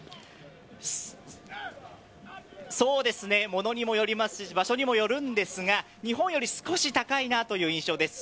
物にもよりますし場所にもよるんですが日本より少し高いなという印象です。